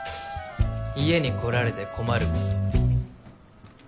家に来られて困ること。